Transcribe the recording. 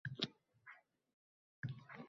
biroz kengroq suhbatlashaylik.